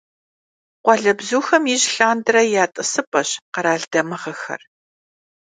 Къуалэбзухэм ижь лъандэрэ я «тӀысыпӀэщ» къэрал дамыгъэхэр.